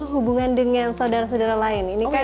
hubungan dengan saudara saudara lain ini kan